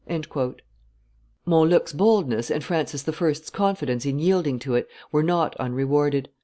'" Montluc's boldness and Francis I.'s confidence in yielding to it were not unrewarded.